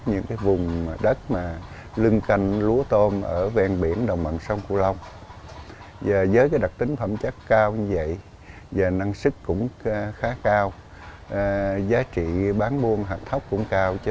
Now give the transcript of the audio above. những vùng đất mà lưng canh lúa tôm ở ven biển đồng bằng sông cửu long với đặc tính phẩm chất cao như vậy và năng sức cũng khá cao giá trị bán buôn hạ thóc cũng cao